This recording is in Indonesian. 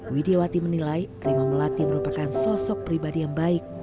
widiawati menilai rima melati merupakan sosok pribadi yang baik